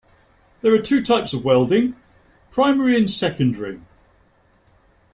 There are two types of welding, primary and secondary.